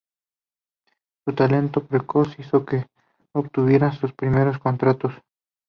Su talento precoz hizo que obtuviera sus primeros contratos.